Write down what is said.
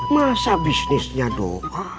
masa bisnisnya doa